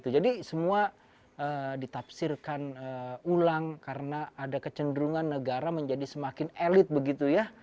jadi semua ditafsirkan ulang karena ada kecenderungan negara menjadi semakin elit begitu ya